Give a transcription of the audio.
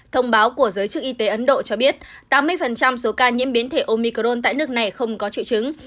thông báo của giới chức y tế ấn độ cho biết tám mươi số ca nhiễm biến thể omicron tại nước này không có triệu chứng